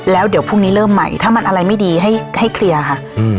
แล้วเดี๋ยวพรุ่งนี้เริ่มใหม่ถ้ามันอะไรไม่ดีให้เคลียร์ค่ะ